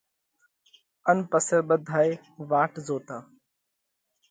ان پسئہ ٻڌائي واٽ زوتا۔